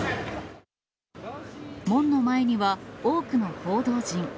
門の前には、多くの報道陣。